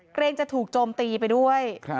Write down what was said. เกรงจะถูกโจมตีไปด้วย